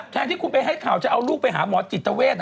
แทนที่คุณไปให้ข่าวจะเอาลูกไปหาหมอจิตเวท